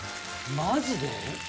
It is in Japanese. マジで？